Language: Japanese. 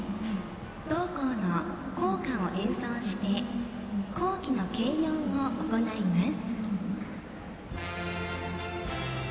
同校の校歌を演奏して校旗の掲揚を行います。